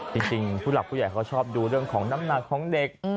จริงผู้หลักผู้ใหญ่เขาชอบดูเรื่องของน้ำหนักของเด็ก